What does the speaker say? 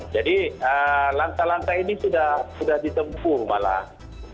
langkah langkah ini sudah ditempuh malah